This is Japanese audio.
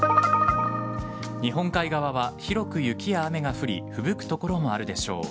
日本海側は、広く雪や雨が降りふぶく所もあるでしょう。